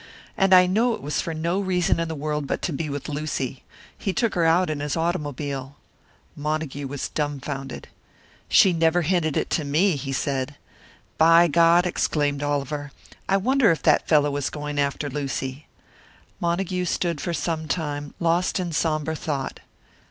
"And I know it was for no reason in the world but to be with Lucy. He took her out in his automobile." Montague was dumfounded. "She never hinted it to me," he said. "By God!" exclaimed Oliver, "I wonder if that fellow is going after Lucy!" Montague stood for some time, lost in sombre thought.